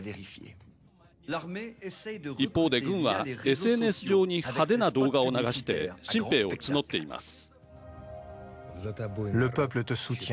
一方で軍はＳＮＳ上に派手な動画を流して新兵を募っています。